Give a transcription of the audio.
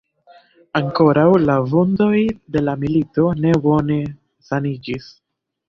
Ankoraŭ la vundoj de la milito ne bone saniĝis.